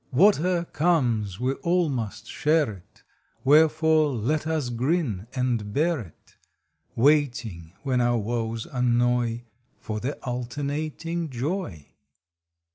Whate er comes we all must share it; Wherefore, let us grin and bear it, Waiting, when our woes annoy, For the alternating joy.